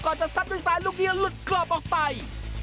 ก่อนจะทรัพย์ด้วยสายลูกเนี้ยลึกกรอบออกไป